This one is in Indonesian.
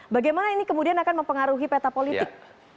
bagaimana ini kemudian akan mempengaruhi peta politik